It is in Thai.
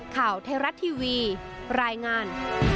ข่าวเทราะทีวีรายงาน